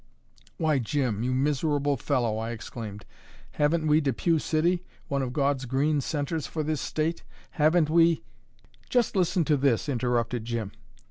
"Why, Jim, you miserable fellow!" I exclaimed; "haven't we Depew City, one of God's green centres for this State? haven't we " "Just listen to this," interrupted Jim.